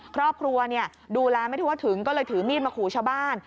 ครอบครัวดูแลไม่ได้ว่าถึงก็เลยถือมีดมาขู่ชาวบ้าน